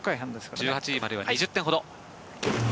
１８位までは２０点ほど。